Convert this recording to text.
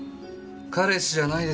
彼氏じゃないですか？